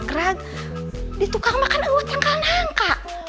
kerag di tukang makan buat tangkalan nangka